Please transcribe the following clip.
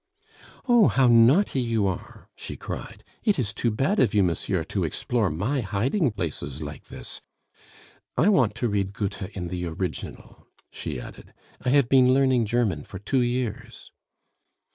"Oh! how naughty you are!" she cried; "it is too bad of you, monsieur, to explore my hiding places like this. I want to read Goethe in the original," she added; "I have been learning German for two years."